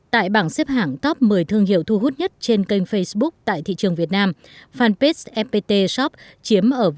tại bảng xếp hãng top một mươi thương hiệu thu hút nhất trên kênh facebook tại thị trường việt nam